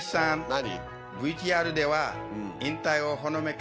何？